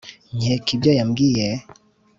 nkeka ibyo yambwiye